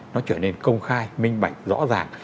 nó trở nên công khai minh bạch rõ ràng